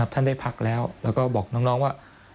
ท่านได้พักแล้วแล้วก็บอกน้องว่า